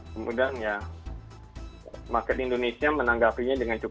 kemudian ya market indonesia menanggapinya dengan cukup